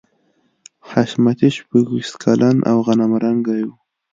حشمتي شپږویشت کلن او غنم رنګی و